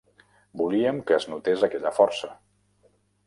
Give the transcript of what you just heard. Volíem que es notés aquella força.